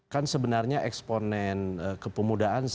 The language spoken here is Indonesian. kan sebenarnya eksponen kepemudaan